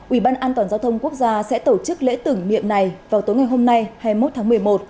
ủy ban an toàn giao thông quốc gia sẽ tổ chức lễ tưởng niệm này vào tối ngày hôm nay hai mươi một tháng một mươi một